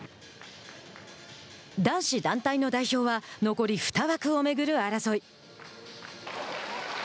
男子団体の代表は残り２枠を巡る争い。